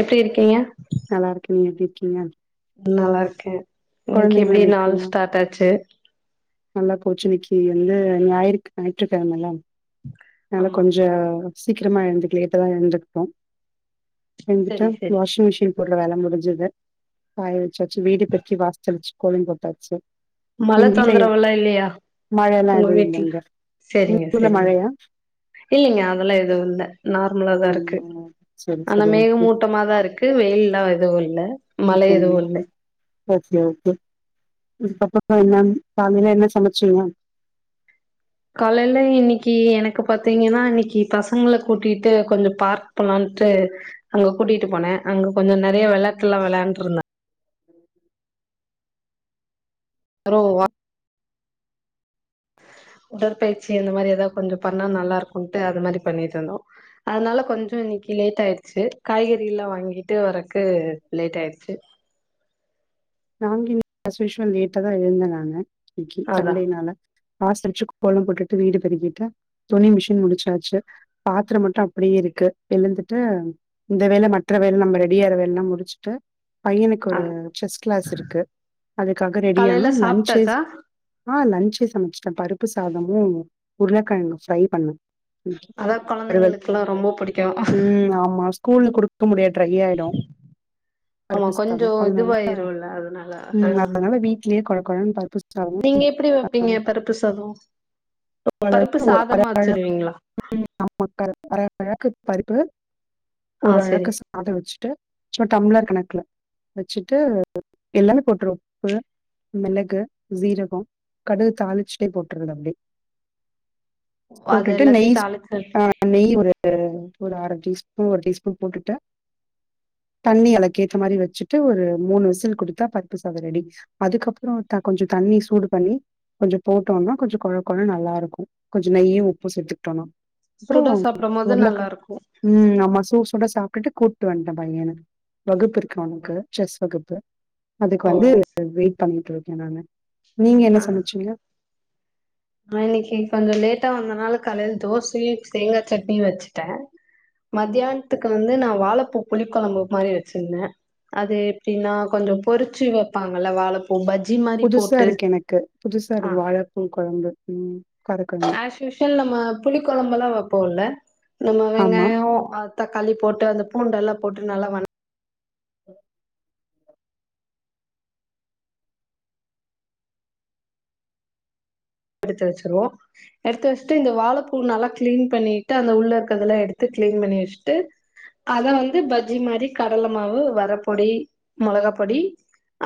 எப்டி இருக்கீங்க நல்லா இருக்கே நீங்க எப்டி இருக்கீங்க நல்லாதா இருக்க இன்னிக்கு கொழந்தைங்களா எப்டி நாள் இருக்காங்க ஸ்டார்ட் ஆச்சு நல்லா போச்சு இன்னிக்கி வந்து ஞாயிறு ஞாயிற்றுகெழம்மல அதனால ஆமா கொஞ்சோ சீக்கிரமா எழுந்திக்கல லேட்டாதா எழுந்திட்டோ எழுந்திட்டு சரி சரி வாஷிங் மிஷின் போடுற வேல முடிஞ்சது காய வெச்சாச்சு வீடு பெறுக்கி வாசல் தெளச்சி கோலம் போட்டாச்சு மழ எங்க வீட்ல தொந்தரவெல்லா இல்லியா மழ எல்லா உங்க எதுவு இல்ல வீட்ல இங்க சேரிங்க உங்க ஊர்ல சேரிங்க மழையா இல்லிங்க அதெல்லா எது இல்ல நார்மலாதா இருக்கு அப்டிங்களா சரி அந்த சரி ஓகே மேகமூட்டமா தா இருக்கு வெயில்ல எது இல்ல மழே எது அப்டிங்களா இல்ல ஓகே ஓகே இப்பப்ப என்ன காலைல என்ன சமச்சீங்க காலைல இன்னிக்கி எனக்கு பாத்தீங்கன்னா இன்னிக்கி பசங்கள கூட்டிட்டு கொஞ்சோ பார்க் போலான்ட்டு அங்க கூட்டிட்டு போன அங்க கொஞ்சோ நெறையா வேளாட்டெல்லா வேளயாண்ட்டு இருந்தா [unintelligible] உடல்பயிற்சி அந்த மாரி எதா கொஞ்சோ பண்ணா நல்லா இருக்குன்ட்டு அது மாரி பண்ணிட்டி இருந்தோ அதனால கொஞ்சோ இன்னிக்கு லேட் ஆயிட்ச்சு காய்கறில்லா வாங்கிட்டு வறக்கு லேட் ஆயிட்ச்சு நாங்க இன்னி ஆஸ்யுஷ்வல் லேட்ட தா எழுந்தே நானு இன்னிக்கி அதா சண்டேனால வாசல் தொழிச்சு கோலம் போட்டுட்டு வீடு பெருக்கிட்டு துணி மிஷின் முடிச்சாச்சு பாத்ரோ மட்டு அப்டியே இருக்கு எழுந்துட்டு இந்த வேல மற்ற வேல நம்ம ரெடியற வேலல்ல முடிச்சுட்டு பையனுக்கு ஆ ஒரு செஸ் கிளாஸ் இருக்கு அதுக்காக காலையில ரெடியானு லன்ச்சு சாப்ட்டாச்சா ஆ லன்ச்சே சமச்சுட்டே பருப்பு சாதமு உருளக்கெழங்கு ஃப்ரை பண்ண ம் அதா தெரில கொழந்தைங்களுக்குல்லா ரொம்ப புடிக்கு ம் ஆமா ஸ்கூல்ல குடுப் க்கு முடியா டிரை ஆய்டோ ஆமா பருப்பு சாதோ கொஞ்சோ அதனால இதுவாயிருல்ல அதனால ஆ ம் அதனால வீட்லேயே கொழ கொழன் பருப்பு சாதமு நீங்க எப்டி வைப்பீங்க பருப்பு சாதோ பருப்பு சாதமா [unintelligible] வச்சிருவீங்களா ம் ஆமாக்க அரழக்கு பருப்பு ஆ ஒரு செரி ஆழக்கு தோ வெச்சுட்டு சும்மா டம்ளர் கணக்ல வெச்சு ட்டு எல்லாமே போட்ருவ உப்பு மெளகு சீரகொ கடுகு தாளிச்சிட்டே போட்டுறது அப்டே அது போட்டுட்டு எல்லாத்தையு நெய்ஸ் தாளிச்சு ஆ நெய் ஒரு ஒரு அர டீஸ்பூ ஒரு டீஸ்பூன் போட்டுட்டு தண்ணி அலக்கேத்த மாரி வெச்சுட்டு ஒரு மூணு விசில் குடுத்தா பருப்பு சாதோ ரெடி அதுக்கப்றோ த கொஞ்ச தண்ணி சூடு பண்ணி கொஞ்ச போட்டோன்னா கொஞ்ச கொழ கொழ நல்லாருக்கு கொஞ்ச நெயி உப்பு சேத்துக்கிட்டோன்னா அப்புறோ சுட சாப்டும் போது நல்லா உருளக்கழ் இருக்கு ம் ஆமா சூ சூட சாப்ட்டுட்டு கூப்ட்டு வண்ட்டே பைய்யன வகுப்பிருக்கு அவ்னுக்கு செஸ் வகுப்பு அதுக்கு வந்து ஓ வெயிட் பண்ணிட்டு இருக்கே நானு நீங்க என்ன சமைச்சிங்க ஆ இன்னைக்கு கொஞ்ச லேட்டா வந்தனால காலையில தோசையு தேங்காய் சட்னியு வச்சுட்டே மத்தியானத்துக்கு வந்து நா வாழைப்பூ புளிக்கொழம்பு மாரி வச்சிருந்தே அது எப்டின்னா கொஞ்ச பொறிச்சு வெப்பாங்கல்ல வாழை ஓ பஜ்ஜி மாரி புதுசா போட்டு இருக்கு எனக்கு புதுசா ஆ இருக்கு வாழப்பூ கொழம்பு ம் காரக்குழம்பு. அஸ்யூசீவல் நம்ம புளி கொழம்புல்லா வெப்போல நம்ம ஆமா. வெங்காயோ அ தக்காளி போட்டு அந்த பூண்டெல்லா போட்டு நல்லா வன எடுத்து வச்சருவோ எடுத்து வச்சுட்டு இந்த வாழைப்பூ நல்லா கிளீன் பண்ணி ட்டு அந்த உள்ள இருக்கறதெல்லா எடுத்து கிளீன் பண்ணி வச்சுட்டு அத வந்து பஜ்ஜி மாரி கடலை மாவு வரப்பொடி மொளகாப் பொடி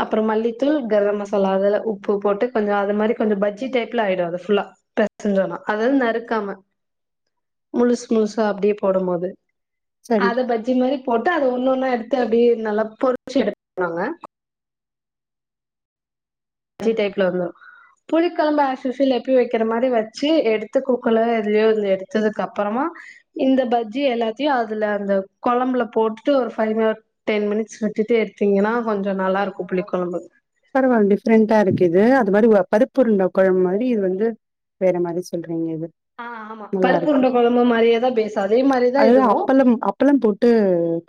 அப்புற மல்லித்தூள் கரம் மசாலா அதுல உப்பு போட்டு கொஞ்ச அது மாரி கொஞ்சோ பஜ்ஜி டைப் ஃபுல் ஆயிடு அது ஃபுல்லா பேசஞ்சோன அது நறுக்காம முழுசு முழுசா அப்டியே போடம் போது சரி. அத பஜ்ஜி மாரி போட்டு அத ஒன்னு ஒன்னா எடுத்து அப்டிய நல்லா பொரிச்சு எடுத்துங்க பஜ்ஜி டைப்ல வந்துரு புளிக்கெழம்பு ஆஸ்யூசுவல் எப்டி வெக்கிற மாரி வச்சு எடுத்து குக்கர்ல எதுலயோ எடுத்ததுக்கு அப்புறமா இந்த பஜ்ஜி எல்லாத்தையு அதுல அந்த கொழம்புல போட்டுட்டு ஒரு ஃபைவ் ம டென் மினிட்ஸ் விட்டுட்டு எடுத்தீங்கன்னா கொஞ்ச நல்லா இருக்கு புளி கொழம்பு பரவாயில டிஃப்ரெண்டா இருக்கு இது அது மாரி பருப் பு உருண்டா கொழம்பு மாரி இது வந்து வேற மாரி சொல்றீங்க இது ஆ ஆமா பருப்பு உருண்ட நல்லாருக்கும். கொழம்பு மாரியதா பேஸு அதே மாரிதா அதுல இதுவு அப்பளம் அப்பளம் போட்டு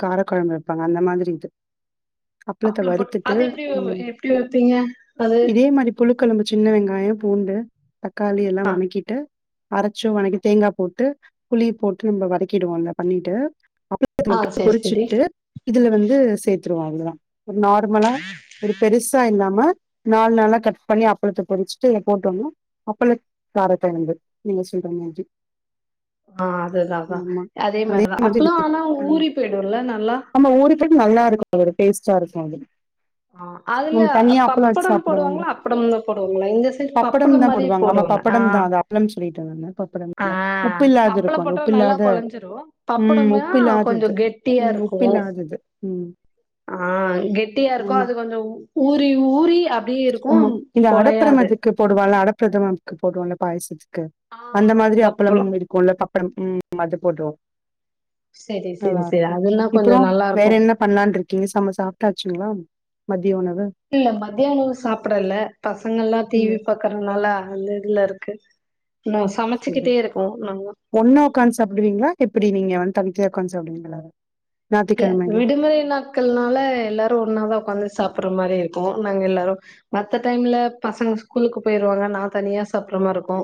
கார கொழம்பு வெப்பாங்க அந்த மாரி இது அப்பளத்தை அப்பள வறுத் போட் அது எப்டி எப்டி வெப்பீங்க அது அதே மாதிரி புழுக்கெழம்பு சின்ன வெங்காயம் பூண்டு தக்காளி எல்லா ஆ வனக்கிட்டு அரைச்சு வணக்கி தேங்கா போட்டு புளி போட்டு நம்ம வதக்கிடுவோ இல்ல பண்ணிட்டு அப் ஆ [unintelligible] செரி செரி பொறிச்சட்டு இதுல வந்து சேத்துருவோ அவ்ளோதா ஓ நா ர்மல்லா ஒரு பெருசா இல்லாம நாலு நாலா கட் பண்ணி அப்பளத்தை பொரிச்சுட்டு இத போட்டோம்னா அப்பள காரக்ககெழம்பு நீங்க சொல்ற மாதிரி ஆ அதுதா அதா ஆமா அதே மாரிதா மாதிரி இது அப்பல்லா ஆனா ஊறி போயிடுல நல்லா அது நல்லா இருக்கு ஒரு டேஸ்ட்டா இருக்கு அது ஆ அதுல நம்ம தனியா அப்பள வச்சு பப்படம் சாப்ட வேண்டா போடுவாங்களா அப்படம் தா போடுவாங்களா இந்த சைடு பப்படம் தா மாரி ஆமா போடுவாங்க ஆ பப்படம் தா அது அப்பளம் சொல்லிட்டே நானு பப்படம் ஆ உப்பு இல்லாது அப்பள இருக்கு அது போட்ட உப்பு நல்லா இல்லாத கொலஞ்சிரு ம் பப்படமா உப்பு கொஞ்சோ இல்லாதது ம் கெட்டியாருக்கு உப்பு இல்லாதது ம் ஆ கெட்டியா கா ஆமா அது கொஞ்சோ ஊ ஊறி ஊறி அப்டியே இருக்கும் கொலையாது க்கு போடுவால அடப்பிரதமம்க்கு போடுவோல பாயசத்துக்கு ஆ அந்த மாதிரி அப்பளோ அப்பளமுரு குள்ள பப்படம் ம் அது போட்டுருவோ செரி செரி செரி நல்லாருக்கு அதுன்னா கொஞ்சோ இப்பறோ நல்லா வேற இருக்கு என்ன பண்ணலாருக்கீங்க செம்ம சாப்டாச்சுங்களா மதிய உணவு இல்ல மதியானோ சாப்டல பசங்களால்லா டிவி ம் பாக் குறனால அந்த இதுல இருக்கு மோ சமச்சுக்கிட்டே இருக்கோ நாங்க ஒண்ணா ஒக்காந்து சாப்டுவீங்களா எப்டி நீங்க வந்து தனிதனியா ஒக்காந்து சாப்டுவீங்களா இல்ல ஞாயித்துக்கிழமைல விடுமுறை நாட்கள்னால எல்லாரு ஒன்னாதா ஒக்காந்து சாப்டுற மாரி இருக்கு நாங்க எல்லாரு மத்த டைம்ல பசங்க ஸ்கூலுக்கு போயிருவாங்க நா தனியா சாப்டுற மாருக்கு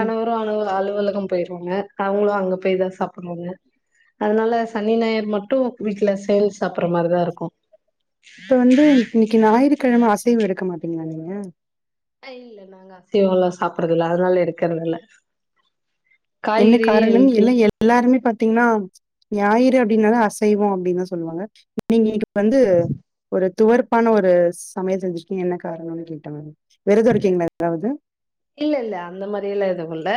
ம் அலு அலுவலகம் போயிரு வாங்க அவுங்களு அங்க போய் தா சாப்டுவாங்க அதனால சனி ஞாயிறு மட் டு வீட்ல சேந்து சாப்டுற மாரிதா இருக்கு இப்ப வந்து இன்னைக்கி ஞாயிறுக்கெழம அசைவு எடுக்க மாட்டீங்களா நீங்க அ இல்ல நாங்க அசைவ எல்லா சாப்றது இல்ல அதனால எடுக்கிறதுல என்ன காரணம் ஹெல்தி எல்ல எல் எல்லாருமே பாத்தீங்னா ஞாயிறு அப்டினாதா அசைவோ அப்டினு தா சொல்லுவாங்க நீங்க கு வந்து ஒரு துவர்பான ஒரு சமையல் செஞ்சுருக்கீங்க என்ன காரணம்னு கேட்டேன் மேம் வெரதோ இருக்கீங்களா ஏதாவது இல்ல இல்ல அந்த மாரியெல்லா எதுவு இல்ல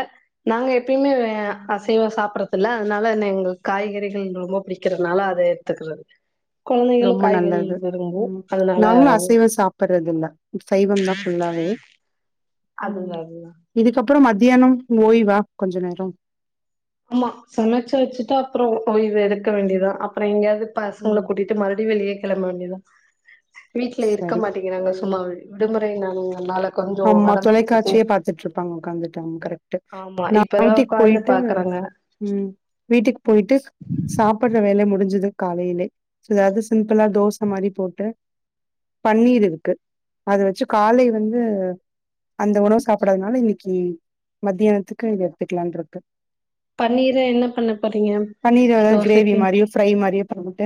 நாங்க எப்பயுமே வே அசைவோ சாப்படுறதில்ல அதனால எங்களுக்கு காய்கறிகள் ரொம்ப புடி க்கிறதுனால அத எடுத்துக்கிறது கொழந்தைகளு ரொம்ப காய்கறி நல்லது விரும்பு ம் அதனால நாங்களு அசைவ சாப்றது இல்ல சைவந் தா ஃபுல்லாவே அதுதா ம் அதுதா இதுக்கப்பறோ மத்தியானம் ஓய்வா கொஞ்ச நேரோ ஆமா சமச்சு வச்சுட்டா அப்பறோ ஓய்வு எடுக்க வேண்டியதா அப்பற எங்கேயாவது பசங்கள ம் கூட்டிட்டு ட்டு மறுபடி வெளிய கெளம்ப வேண்டியதா வீட்ல இருக்க சரி மாட்டே கிறாங்க சும்மாவே விடுமுறை நாளுங்கிற நாள ஆமா தொலைக்காட்சியே பாத்துட்டு இருப்பாங்க உட்காந்துட்டு ஆம கரெக்ட்டு ஆமா நா இப்பதா வீட்டுக்கு உக்காந்து போயிட்டு பாக்குறாங்க ம் வீட்டுக்கு போயிட்டு ஸ் சாப்டுற வேல முடிஞ்சிது காலேலே சோ எதாவது சிம்பிளா தோச மாரி போட்டு பன்னீர் இருக்கு அத வச்சு காலை வந்து அந்த உணவு சாப்படுறதுனால இன்னைக்கி மத்தியானத்துக்கு இத எடுத்துக்கலானுருக்கு பன்னீர என்ன பண்ண போறீங்க பன்னீர் ஏதாவது கிரேவி தோசைக்கி மாரியோ ஃப்ரை மாரியே பண்ணிட்டு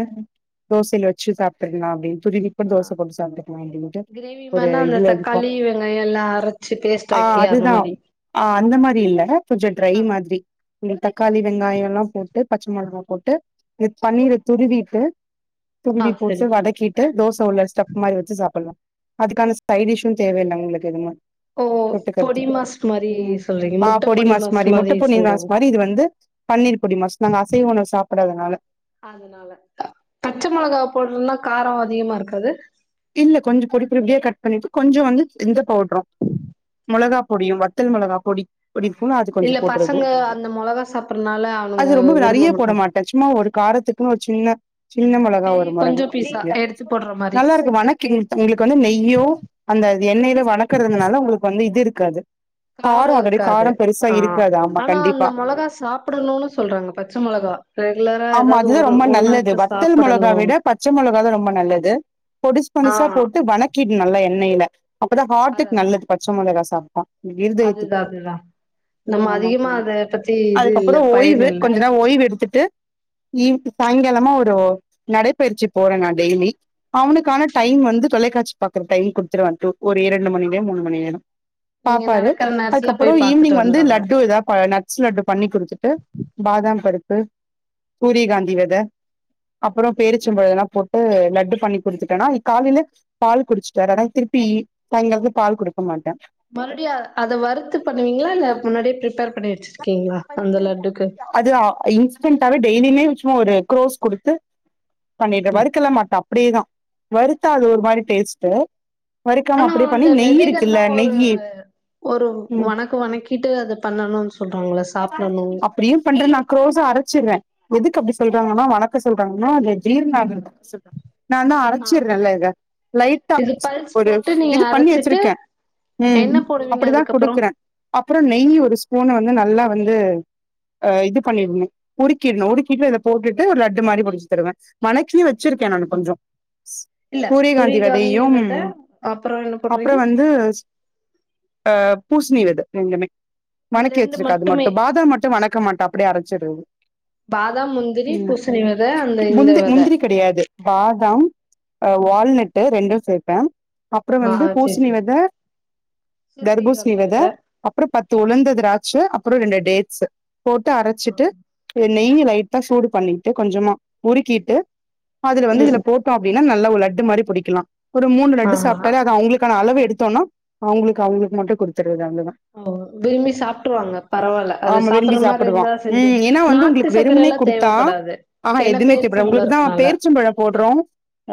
தோசேல வச்சு சாப்டிர்லா அப்டினு துரிவி இப்டு ஆ தோச போட்டு சாப்ட்டுக்கலா அப்டின்ட்டு ஒரு இதுல இருக்கோ லை எல்லா அறுத் ஆஹ் அதுதா ஆ அந்த மாரி இல்ல கொஞ்சோ ட்ரை ஆ மாதிரி இந்த தக்காளி வெங்காய எல்லா போட்டு பச்ச மொளகா போட்டு இந்த பன்னீர துருவிட்டு ஆ துருவி போட்டு சரி வதக்கி ட்டு தோசை உள்ள ஸ்டஃப் மாரி வச்சு சாப்பிட்லா அதுக்கான ஸைட் டிஷும் தேவ இல்ல உங்களுக்கு எது மாரி ஓ பொடி தொட்டுகர்த்துக்கு மாஸ் மாரி உம் சொல்றீங்க ம் முட்ட பொடி மாஸ் மாரி முட்டை பொடி மாஸ் சொல்றாங்க மாரி இது வந்து பன்னீர் பொடி மாஸ் நாங்க அசைவோ உணவு சாப்பிடாதனால அதனால பச்சை மிளகாவ போட்றதுனா காரம் அதிகமா இருக்காது இல்ல கொஞ்சு பொடி பொப்பொடியா கட் பண்ணிட்டு கொஞ்சு வந்து இந்த பவுடரு மொளகா பொடியும் வத்தல் மொளகா பொடி பொடி இருக்குல அது கொஞ்சு இல்ல போடுறது பசங்க அந்த மொளகா சாப் றனால அது அவனுங்க ரொம்போ விரும்ப நறையா போட மாட்டாங்க மாட் டச்சுமா ஒரு காரத்துக்கு ஒரு சின்ன சின்ன மொளகா பெரிய ஒரு மடங்கு கொஞ்சோ குட்டி பீஸா எடுத்து போடுற மாரி நல்லா இரு வனக்கு இது உங்களுக்கு வந்து நெய்யோ அந்த எண்ணெயிலோ வணக்கறதுனால உங்களுக்கு வந்து இது இருக்காது காரோ அதோடைய இருக்காது காரோ பெருசா ஆ இருக்காது ஆமா ஆனா அந்த கண்டிப்பா மொளகா சாப்பிடணும்னு சொல்றாங்க பச்ச மொளகா ரெகுலரா ஆமா ஏதாவது அதுதா ஒரு ரொம்ப நல்லது ஒண்ணாச்ச வத்தல் மொளகா சாப்பிடணும் விட பச்ச மொளகா தா ரொம்ப நல்லது பொடிசு பொடிசா போட்டு வணக்கிடனும் நல்லா எண்ணெய்ல அப்போதா ஹார்ட்டுக்கு அததா நல்லது பச்சை மிளகாய் சாப்ட்டா இருதயத்துக்கு அதுதா அதுதா நம்ம உம் ஆமா அதிகமா தோழி அத பத்தி இது இல்ல அதுக்கப்புறோ பயன் ஓய்வு இல்ல கொஞ்சோ நேரோ ஓய்வு எடுத்துட்டு ஈவினிங் சாயங்காலமா ஒரு நடைபயிற்சி போற நா டெய்லி அவனுக்கு கான டைம் வந்து தொலைக்காட்சி பாக்குற டைம் கொடுத்துருவ ட்டு ஒரு இரண்டு மணி நேர மூணு மணி நேரோ நீங்க பாப்பாரு நடக்கற நேரத்துல அதுக்கப்புறோ போய் பாத்துட்டு ஈவினிங் வந்து வந்துருங்க லட்டு ஏதா ப ந ட்ஸ் லட்டு பண்ணி குடுத்துட்டு பாதாம் பருப்பு சூரிய காந்தி வேதே அப்புறோ பேரிச்சம்பழம் இதெல்லா போட்டு லட்டு பண்ணி குடுத்துட்டேனா காலையில பால் குடிச்சுட்டாரு ஆனா திருப்பி சாயங்களமு பால் குடுக்க மாட்டே மறுபடியு அத வறுத்து பண்ணுவீங்களா இல்ல முன்னாடியே ப்ரிப்பர் பண்ணி வச்சிருக்கீங்களா அந்த லட்டுக்கு அது இன்ஸ்டண்டாவே டெய்லியுமே சும்மா ஒரு குரோஸ் கொடுத்து பண்ணிடுற வருக்கெல்லா மாட்ட அப்படியேதா வருத்தா அது ஒரு மாரி டேஸ்ட்டு வறுக்காம ஆனா அப்டியே பண்ணி அந்த நெய் இருக்குல்ல வெதைகல்லா ஒரு நெய்யி ஒரு ம் வணக்க வணக்கிட்டு அது பண்ணணும்னு சொல்றாங்கள சாப்பிடணும் அப்படியு பண்ற நா க்ரோசா அரச்சிர்ர எதுக்கு அப்படி சொல்றாங்கன்னா வணக்க சொல்றாங்கன்ன அது ஜீர்ண ஆகுறதுக்கு சொ நா நா ஆ அரச்சிர்ர இல்ல இத லைட்டா இது பல்ஸ் ஒரு போட்டு நீங்க இது பண்ணி அரச்சிட்டு வச்சிருக்கே ம் என்ன போடுவீங்க அப்படிதா அதுக்கப்புறோ குடுக்குற அப்புற நெய் ஒரு ஸ்பூன் வந்து நல்லா வந்து அ இது பண்ணிருங்க உருக்கிர்னு உருக்கிட்டு இத போட்டுட்டு ஒரு லட்டு மாரி புடிச்சு தருவே வணக்கி வச்சிருக்கே நானு கொஞ்சோ ஸ் இல்ல சூரியகாந்தி வெதையும் வெத அப்புறோ என்ன அப்றோ போடுறீங்க வந்து ஆ பூசணி வித ரெண்டுமே இது வணக்கி ரெண்டு வச்சிருக்க அது மட்டுமே மட்டு பாதாம் மட்டு வணக் இருக்க மாட்ட அப்படியே அரச்சிருது பாதாம் முந்திரி பூசணி வெத அந்த இந்த வெத கெடயாது பாதாம் வால்நெட்டு ரெண்டு சேப்பே அப்பற ஆ வந்து ஆ சேரி பூஸ்ணி சேரி வெத தர்பூஸ்ணி வெத அப்பறோ பத்து உழர்ந்த திராச்ச அப்பறோ ரெண்டு டேட்ஸ் போட்டு அரச்சிட்டு நெய்ய லைட்ட சூடு பண்ணிட்டு கொஞ்சமா உருக்கிட்டு அதுல வந்து ம் இதுல போ அப்படின்னா நல்ல ஒரு லட்டு மாரி பிடிக்கலா ஒரு மூனு லட்டு ஆ சாப்ட்டாலே அது அவங்களுக்கு க்கான அளவு எடுத்தோனா அவுங்களுக்கு அவங்களுக்கு மட்டு கொடுத்துரது அவ்ளோதா ஓ விரும்பி சாப்ட்ருவாங்க பரவால அது அவ விரும்பி சாப்பிடுற மாரி சாப்புடுவா இருந்த செஞ்சு ம் ஏன்னா வந்து நாட்டு உங்களுக்கு வெறுமனே சக்கரலா குடுத்தா தேவபடாது ஆஹா என்ன எதுமே தேவப்படா பேர்ச்சபழ இருக்கனால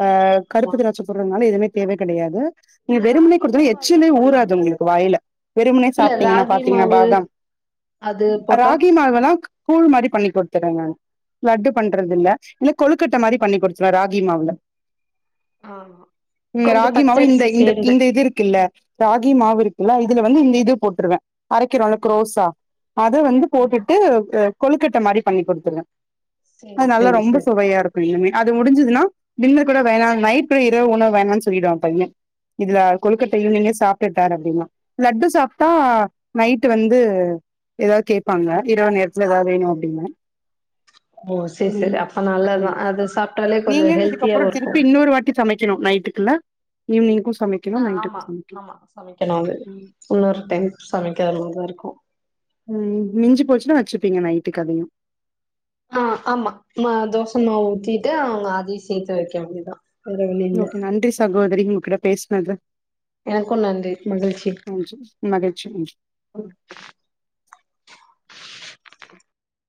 அ ஆமா கருப்பு திராச்ச போடுறனால எதுமே தேவ கெடையாது நீங்க இந்த வெறுமுனே ராகி குடுத்தீனா மாவு அதெல்லா எச்சிலே ஊராது போட்லாம்ல உங்ளுக்கு வாயில வெறும்னே இல்ல சாப்ட்டீங்கன்னா ராகி பாத்தீங்கன்னா மாவு பாதாம் அது போட்டா ராகி மாவெல்லா கூழ் மாரி பண்ணி குடுத்துடுங்க லட்டு பண்றதுல்ல இல்ல கொழுக்கட்ட மாரி பண்ணி குடுத்துருலா ராகி மாவுல ஆ இந்த கொஞ்சோ ராகிமாவு இந்த பச்சரிசி இந்த சேந்து இந்த இது இருக்குல்ல ராகி மாவு இருக்குல்ல இதுல வந்து இந்த இது போட்ருவ அரக்கிறோல க்ரோசா அத வந்து ஆமா போட்டுட்டு கொழுக்கட்ட மாரி பண்ணி் குடுத்துருவ அது சேரி நல்லா சேரி ரொம்ப சேரி சுவையா இருக்கு இனிமே அது முடிஞ்சுதுன்னா திண்ண கூட வேணா நைட் இரவு உணவு வேணான் சொல்லிடுவா பைய இதுல கொழுக்கட்ட ஈவ்னிங்கே சாப்டுட்டார் அப்டின்னா லட்டு சாப்டா நைட்டு வந்து ஏதாது கேப்பாங்க இரவு நேரத்துல ஏதாது வேணு அப்டின்னு ஓ சேர் சேரி ம் அப்ப நல்லதா அது சாப்ட்டாலே கொஞ்சோ ஹெல் அப்றோ திருப்பி இன்னொரு வாட்டி சமைக்கணு நைட்டுக்கு ல்ல ஈவ்னிங்க்கு சமைக் சமைக்கணு ஆ ஆமா ஆமா சமைக்கணு அது ம் இன்னொரு டைம் சமைக்கிறதுல்லதா இருக்கு ம் மிஞ்சு போச்சுன்னா வச்சிப்பீங்க நைட்டுக்கு அதயு ஆ ஆமா ம தோச மாவு ஊத்திட்டு அவங்க அதயு சேத்து வைக்க வேண்டிதா ஓகே நன்றி சகோதரி உங்ககிட்ட பேசுனது எனக்கு நன்றி மகிழ்ச்சி நன்றி மகிழ்ச்சி ம் [unintelligible]